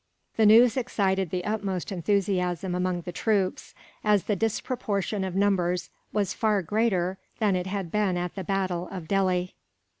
The news excited the utmost enthusiasm among the troops, as the disproportion of numbers was far greater than it had been at the battle of Delhi.